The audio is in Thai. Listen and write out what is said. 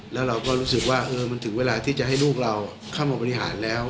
แล้วเราก็รู้สึกว่ามันถึงเวลาที่จะให้ลูกเราเข้ามาบริหารแล้ว